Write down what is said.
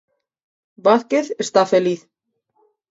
Vázquez está feliz.